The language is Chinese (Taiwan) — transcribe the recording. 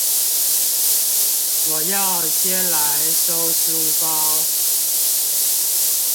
我要先來收書包